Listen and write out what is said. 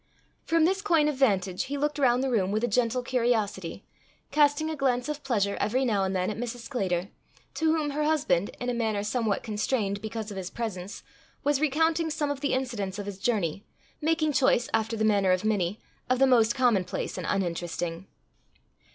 From this coign of vantage he looked round the room with a gentle curiosity, casting a glance of pleasure every now and then at Mrs. Sclater, to whom her husband, in a manner somewhat constrained because of his presence, was recounting some of the incidents of his journey, making choice, after the manner of many, of the most commonplace and uninteresting.